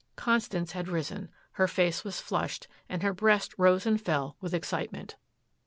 Constance had risen. Her face was flushed and her breast rose and fell with excitement.